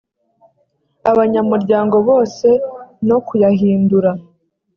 abanyamuryango bose no kuyahindura